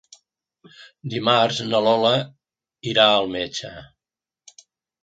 Dimarts na Lola irà al metge.